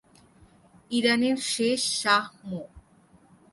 ইরানের শেষ শাহ মো।